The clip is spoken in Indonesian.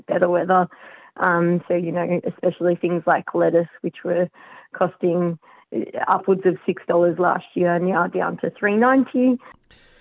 terkait fransi yang terjebak